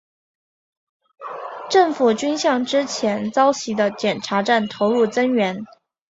政府军向之前遭袭的检查站投入增援。